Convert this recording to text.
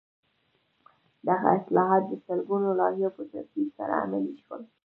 دغه اصلاحات د سلګونو لایحو په تصویب سره عملي شول.